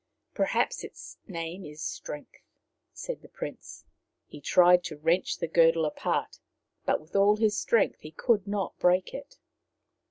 " Perhaps its name is strength," said the prince. He tried to wrench the girdle apart, but with all his strength he could not break it.